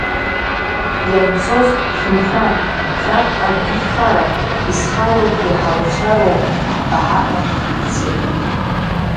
Ианцоз, шәымшәан, шәарҭ акгьы шәхарам, изхароу шәеиҳабцәа роуп ҳәа ҳаҳәаны ицеит.